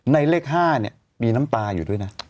เลข๕มีน้ำตาอยู่ด้วยนะ